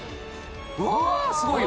うわすごいよ